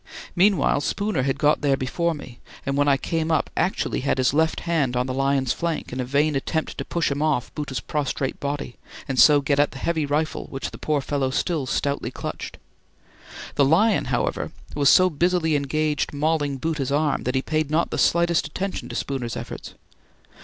Meanwhile, Spooner had got there before me and when I came up actually had his left hand on the lion's flank, in a vain attempt to push him off Bhoota's prostrate body and so get at the heavy rifle which the poor fellow still stoutly clutched. The lion, however, was so busily engaged mauling Bhoota's arm that he paid not the slightest attention to Spooner's efforts.